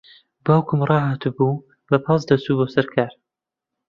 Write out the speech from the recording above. باوکم ڕاھاتبوو بە پاس دەچوو بۆ سەر کار.